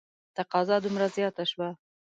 تقاضا دومره زیاته شوه.